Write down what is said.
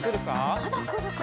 まだくるか？